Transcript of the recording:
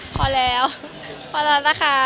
ก็อันอันอะไรนะคะ